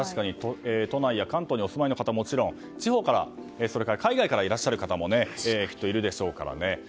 都内や関東にお住まいの方はもちろん地方からそれから海外からもいらっしゃる方もきっといるでしょうからね。